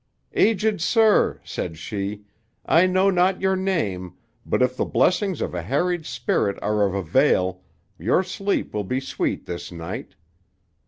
'Aged sir,' said she, 'I know not your name; but if the blessings of a harried spirit are of avail, your sleep will be sweet this night.